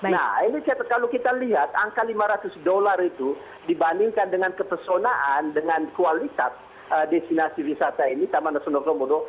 nah ini kalau kita lihat angka lima ratus dolar itu dibandingkan dengan kepesonaan dengan kualitas destinasi wisata ini taman nasional komodo